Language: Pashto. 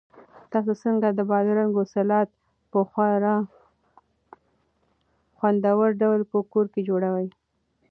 تاسو څنګه د بادرنګو سالاډ په خورا خوندور ډول په کور کې جوړوئ؟